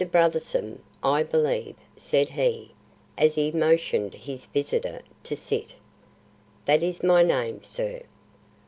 Brotherson, I believe," said he, as he motioned his visitor to sit. "That is my name, sir."